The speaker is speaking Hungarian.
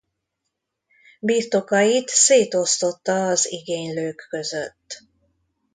Birtokait szétosztotta az igénylők között.